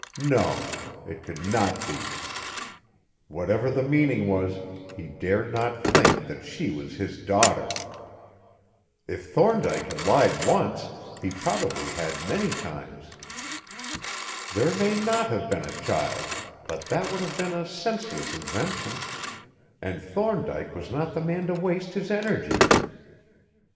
No: it could not be! Whatever the meaning was, he dared not think that she was his daughter! If Thorndyke had lied once, he probably had many times. There may not have been a child; but that would have been a senseless invention and Thorndyke was not the man to waste his energies.